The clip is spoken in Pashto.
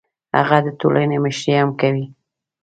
هغه د ټولنې مشري هم کوي.